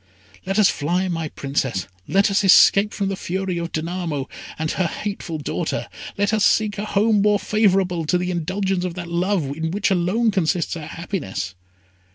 Let us fly, my Princess. Let us escape from the fury of Danamo and her hateful daughter. Let us seek a home more favourable to the indulgence of that love, in which alone consists our happiness!"